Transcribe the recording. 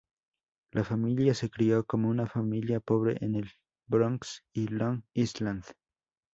La familia se crio como una familia pobre en el Bronx y Long Island